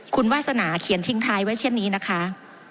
คุณวาสนาเขียนทิ้งท้ายไว้เช่นนี้นะคะ